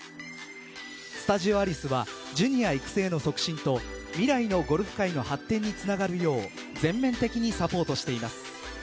スタジオアリスはジュニア育成の促進と未来のゴルフ界の発展につながるよう全面的にサポートしています。